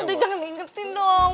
aduh jangan diingetin dong